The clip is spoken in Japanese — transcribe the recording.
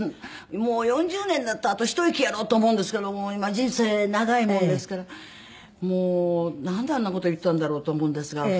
もう４０年だったらあと一息やろと思うんですけども今人生長いもんですからなんであんな事言ったんだろうと思うんですが。